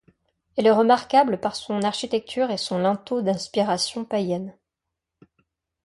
Elle est remarquable par son architecture et son linteau d’inspiration païenne.